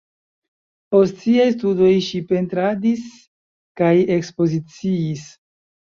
Post siaj studoj ŝi pentradis kaj ekspoziciis.